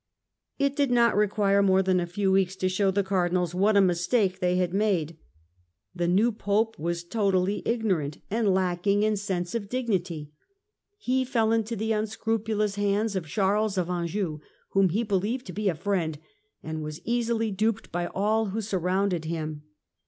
It did not require more than a few weeks to show the Cardi nals what a mistake they had made. The new Pope was totally ignorant and lacking in sense or dignity. He fell into the unscrupulous hands of Charles of Anjou, whom he believed to be a friend, and was easily duped by all who surrounded him.